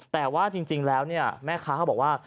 แต่ว่าจริงแล้วเนี่ยแม่ค้าเขาบอกว่า